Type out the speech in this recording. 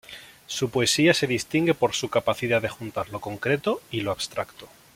Su poesía se distingue por su capacidad de juntar lo concreto y lo abstracto.